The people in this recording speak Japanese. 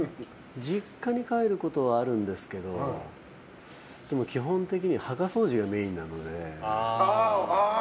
実家に帰ることはあるんですけどでも基本的に墓掃除がメインなので。